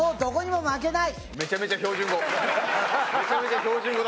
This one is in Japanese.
めちゃめちゃ標準語。